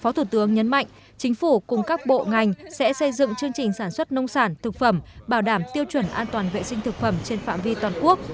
phó thủ tướng nhấn mạnh chính phủ cùng các bộ ngành sẽ xây dựng chương trình sản xuất nông sản thực phẩm bảo đảm tiêu chuẩn an toàn vệ sinh thực phẩm trên phạm vi toàn quốc